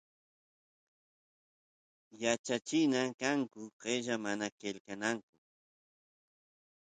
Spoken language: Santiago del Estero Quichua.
yachachina kanku qella mana qelqananku